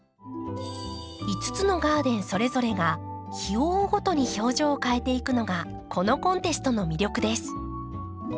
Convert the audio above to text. ５つのガーデンそれぞれが日を追うごとに表情を変えていくのがこのコンテストの魅力です。